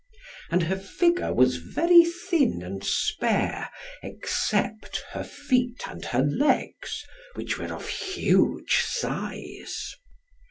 And her figure was very thin and spare, except her feet and her legs, which were of huge size.